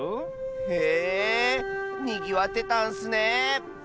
へえにぎわってたんッスね。